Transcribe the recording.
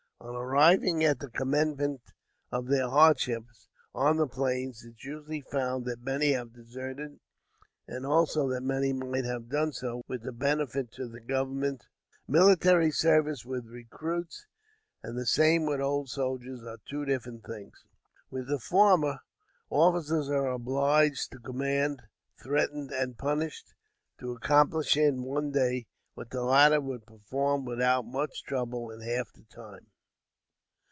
On arriving at the commencement of their hardships, on the plains, it is usually found that many have deserted, and also that many might have done so with benefit to the government. Military service with recruits, and the same with old soldiers, are two different things. With the former, officers are obliged to command, threaten and punish, to accomplish in one day, what the latter would perform without much trouble in half the time.